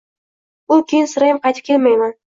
U keyin sirayam qaytib kelmiyman!